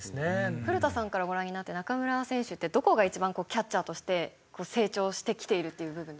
古田さんからご覧になって中村選手ってどこが一番キャッチャーとして成長してきているっていう部分だと？